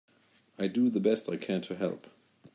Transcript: I do the best I can to help.